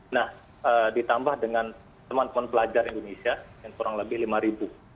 nah ditambah dengan teman teman pelajar indonesia yang kurang lebih lima ribu